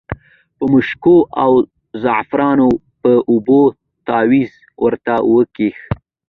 په مشکو او زعفرانو په اوبو تاویز ورته وکیښ.